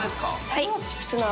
はい。